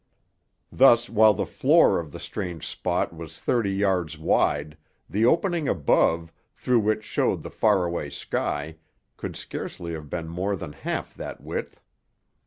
Thus while the floor of the strange spot was thirty yards wide, the opening above, through which showed the far away sky, could scarcely have been more than half that width.